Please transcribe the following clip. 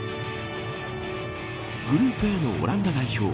グループＡのオランダ代表。